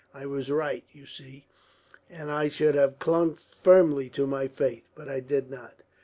I was right, you see, and I should have clung firmly to my faith. But I did not."